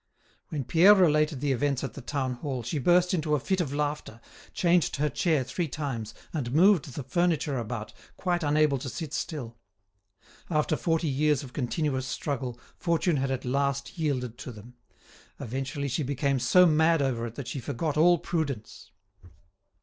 When Pierre related the events at the Town Hall, she burst into a fit of laughter, changed her chair three times, and moved the furniture about, quite unable to sit still. After forty years of continuous struggle, fortune had at last yielded to them. Eventually she became so mad over it that she forgot all prudence.